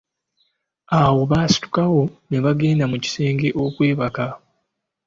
Awo baasitukawo ne bagenda mu kisenge okwebaka.